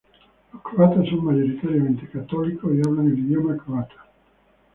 Los croatas son mayoritariamente católicos y hablan el idioma croata.